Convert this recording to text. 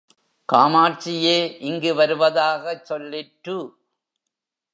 காமாட்சியே இங்கே வருவதாகச் சொல்லிற்ரு?